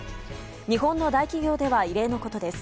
日本の大企業では異例のことです。